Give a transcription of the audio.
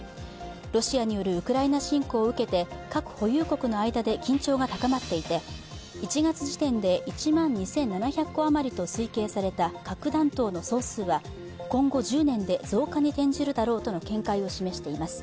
ロシアによるウクライナ侵攻を受けて核保有国の間で緊張が高まっていて１月時点で１万２７００個あまりと推計された核弾頭の総数は今後１０年で増加に転じるだろうとの見解を示しています。